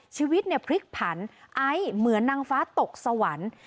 ชีวิตเนี่ยพลิกผันไอซ์เหมือนนางฟ้าตกสวรรค์